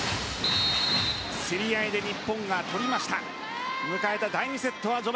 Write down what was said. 競り合いで日本が取りました。